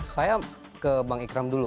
saya ke bang ikram dulu